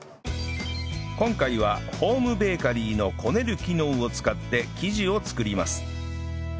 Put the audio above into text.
今回はホームベーカリーのこねる機能を使って生地を作ります